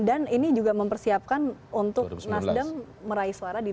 dan ini juga mempersiapkan untuk nasdem meraih suara di dua ribu tujuh belas